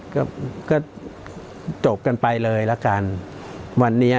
ก็ก็จบกันไปเลยละกันวันนี้